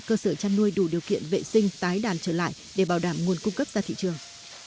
cơ sở chăn nuôi đủ điều kiện vệ sinh tái đàn trở lại để bảo đảm nguồn cung cấp ra thị trường